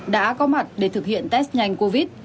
đã có mặt để thực hiện test nhanh covid